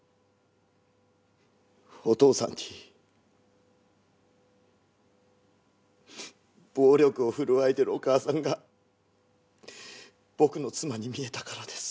お義父さんに暴力を振るわれてるお義母さんが僕の妻に見えたからです。